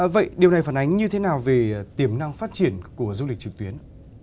vậy điều này phản ánh như thế nào về tiềm năng phát triển của du lịch trực tuyến